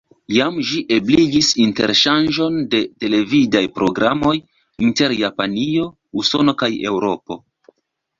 Jam ĝi ebligis interŝanĝon de televidaj programoj inter Japanio, Usono kaj Eŭropo.